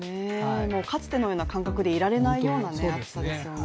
かつてのような感覚でいられないような暑さですよね。